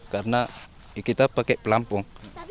karena kita pakai pelampung